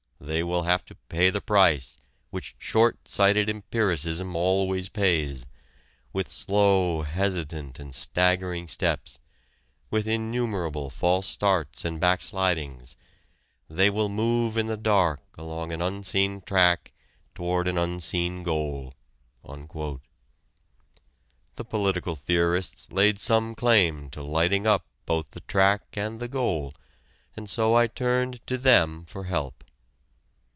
they will have to pay the price which short sighted empiricism always pays; with slow, hesitant, and staggering steps, with innumerable false starts and backslidings, they will move in the dark along an unseen track toward an unseen goal." The political theorists laid some claim to lighting up both the track and the goal, and so I turned to them for help.